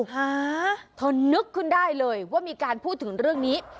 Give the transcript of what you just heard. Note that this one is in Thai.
หาเธอนึกขึ้นได้เลยว่ามีการพูดถึงเรื่องนี้